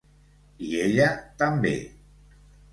I ella també.